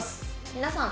「皆さん